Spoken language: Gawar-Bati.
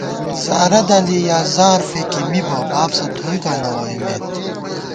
زارہ دَلی یا زار فېکی مِبہ بابسہ تھوئیکاں نہ ووئیمېت